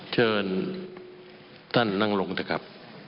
เชิญท่านนั่งลงเถอะครับ